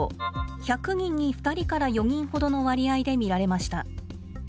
１００人に２人から４人ほどの割合で見られました。